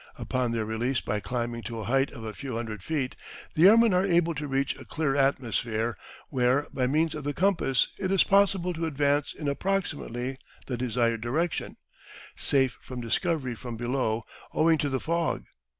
Upon their release by climbing to a height of a few hundred feet the airmen are able to reach a clear atmosphere, where by means of the compass it is possible to advance in approximately the desired direction, safe from discovery from below owing to the fog.